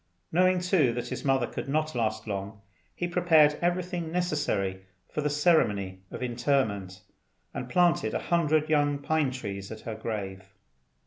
Knowing, too, that his mother could not last long, he prepared everything necessary for the ceremony of interment, and planted a hundred young pine trees at her grave.